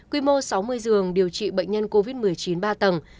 quy mô sáu mươi giường điều trị bệnh nhân covid một mươi chín ba tầng